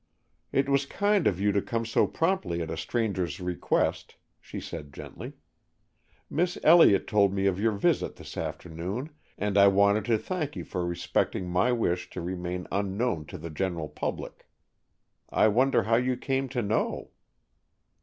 "It was kind of you to come so promptly at a stranger's request," she said gently. "Miss Elliott told me of your visit this afternoon, and I wanted to thank you for respecting my wish to remain unknown to the general public. I wonder how you came to know?"